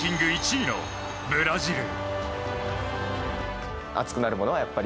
１位のブラジル。